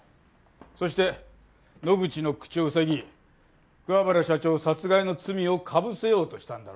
そして野口の口を塞ぎ桑原社長殺害の罪をかぶせようとしたんだろ？